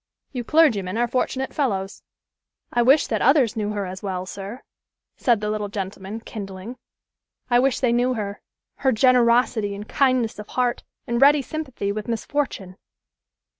"You clergymen are fortunate fellows." "I wish that others knew her as well, sir," said the little gentleman, kindling. "I wish they knew her her generosity and kindness of heart and ready sympathy with misfortune!"